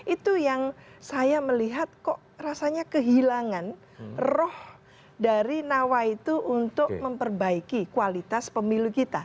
itu yang saya melihat kok rasanya kehilangan roh dari nawai itu untuk memperbaiki kualitas pemilu kita